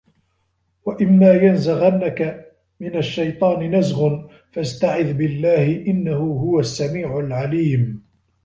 وَإِمّا يَنزَغَنَّكَ مِنَ الشَّيطانِ نَزغٌ فَاستَعِذ بِاللَّهِ إِنَّهُ هُوَ السَّميعُ العَليمُ